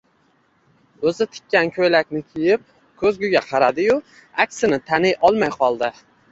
O`zi tikkan ko`ylakni kiyib, ko`zguga qaradi-yu, aksini taniy olmay qoldi